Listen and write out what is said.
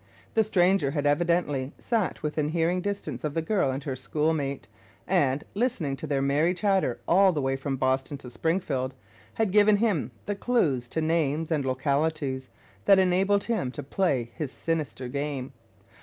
The stranger had evidently sat within hearing distance of the girl and her schoolmate, and listening to their merry chatter all the way from Boston to Springfield, had given him the clue to names and localities that enabled him to play his sinister game.